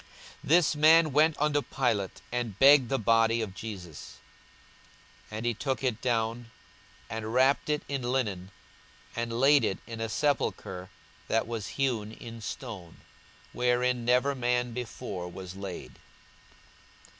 42:023:052 This man went unto Pilate, and begged the body of Jesus. 42:023:053 And he took it down, and wrapped it in linen, and laid it in a sepulchre that was hewn in stone, wherein never man before was laid.